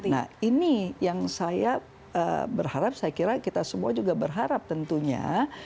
nah ini yang saya berharap saya kira kita semua juga berharap tentunya